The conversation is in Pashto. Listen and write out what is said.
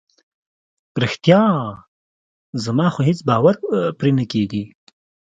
رښتیا؟ زما خو هیڅ باور پرې نه کیږي.